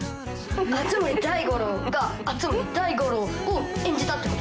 熱護大五郎が熱護大五郎を演じたってことだよね？